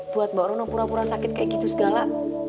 buat mbak rono pura pura sakit kayak gitu segala